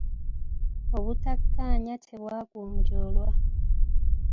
Obuttakaanya tebwagonjoolwa.